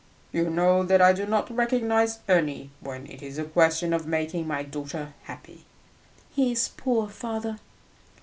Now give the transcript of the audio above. "You know that I do not recognise any when it is a question of making my daughter happy." "He is poor, father."